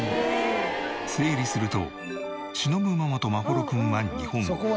整理するとしのぶママと眞秀君は日本語。